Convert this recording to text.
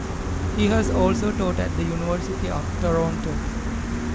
He has also taught at the University of Toronto.